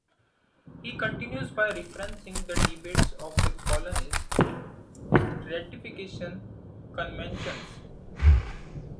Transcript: He continues by referencing the debates of the colonies' ratification conventions.